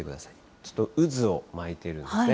ちょっと渦を巻いているんですね。